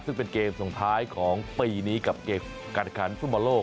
ซึ่งเป็นเกมส่งท้ายของปีนี้กับเกมการขันฟุตบอลโลก